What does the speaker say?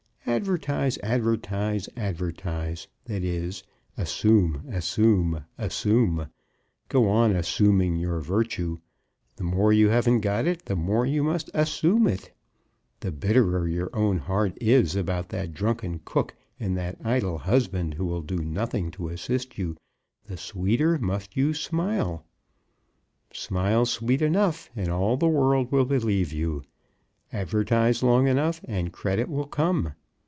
Advertise, advertise, advertise. That is, assume, assume, assume. Go on assuming your virtue. The more you haven't got it, the more you must assume it. The bitterer your own heart is about that drunken cook and that idle husband who will do nothing to assist you, the sweeter you must smile. Smile sweet enough, and all the world will believe you. Advertise long enough, and credit will come.